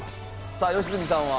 さあ良純さんは？